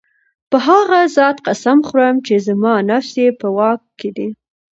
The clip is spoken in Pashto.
په هغه ذات قسم خورم چي زما نفس ئي په واك كي دی